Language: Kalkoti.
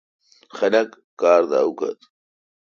خلق خار دا اوکھا۔